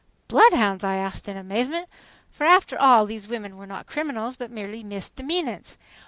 "Bloodhounds!" I asked in amazement, for after all these women were not criminals but merely misdemeanants.